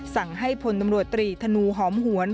สั่งให้พลตำรวจตรีธนูหอมหวน